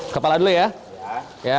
kepala dulu ya